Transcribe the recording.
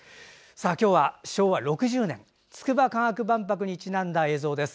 今日は昭和６０年つくば科学万博にちなんだ映像です。